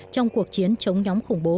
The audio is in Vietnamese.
trong cuộc chiến chống nhóm khủng bố